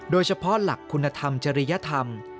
โดยเฉพาะหลักคุณธรรมจริยธรรม